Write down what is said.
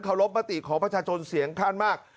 รบมติของประชาชนเสียงข้างมาก